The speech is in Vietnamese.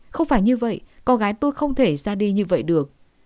không phải như vậy cô gái tôi không thể ra đi như vậy được